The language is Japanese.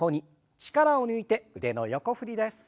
力を抜いて腕の横振りです。